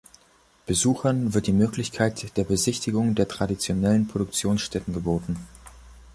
Besuchern wird die Möglichkeit der Besichtigung der traditionellen Produktionsstätten geboten.